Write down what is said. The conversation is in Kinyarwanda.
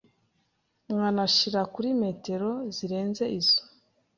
Mwanashira kuri metero zirenze izo